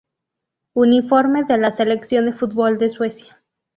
Uniforme de la selección de fútbol de Suecia